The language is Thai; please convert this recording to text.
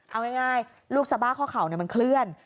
เอาง่ายลูกซาบ้าข้อเข่ามันเคลื่อน